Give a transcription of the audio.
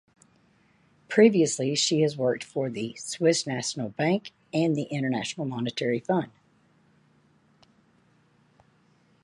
Previously she has worked for the Swiss National Bank and the International Monetary Fund.